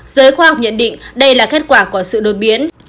giới khoa học nhận định đây là kết quả của sự đột biến